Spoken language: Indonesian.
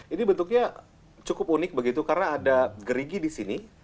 ini bentuknya cukup unik begitu karena ada gerigi di sini